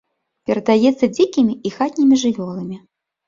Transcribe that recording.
Перадаецца дзікімі і хатнімі жывёламі.